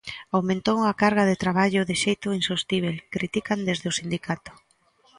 Aumentou a carga de traballo de xeito insostíbel, critican desde o sindicato.